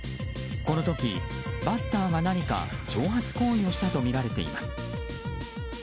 この時、バッターが何か挑発行為をしたとみられています。